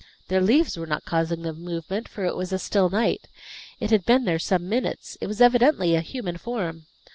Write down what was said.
Their leaves were not causing the movement, for it was a still night. It had been there some minutes; it was evidently a human form.